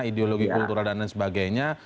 ideologi kultural dan lain sebagainya